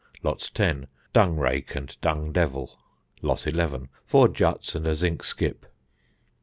Lot 10. Dung rake and dung devil. Lot 11. Four juts and a zinc skip."